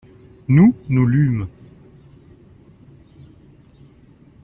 Nous, nous lûmes.